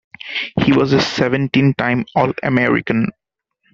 He was a seventeen-time All-American.